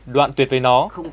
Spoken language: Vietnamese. đoạn tuyệt về nó